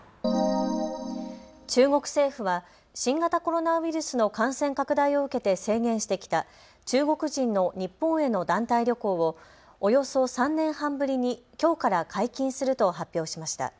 中国政府は新型コロナウイルスの感染拡大を受けて制限してきた中国人の日本への団体旅行をおよそ３年半ぶりに、きょうから解禁すると発表しました。